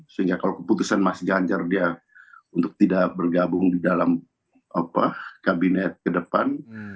sehingga kalau keputusan mas ganjar dia untuk tidak bergabung di dalam kabinet ke depan